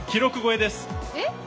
えっ？